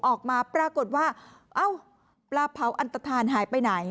ออกมาปรากฏว่าเอ้าปลาเผาอันตฐานหายไปไหน